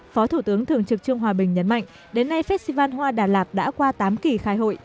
phó thủ tướng thường trực trương hòa bình nhấn mạnh đến nay festival hoa đà lạt đã qua tám kỳ khai hội